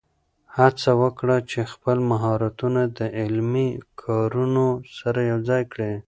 هڅه وکړه چې خپل مهارتونه د عملي کارونو سره یوځای کړې.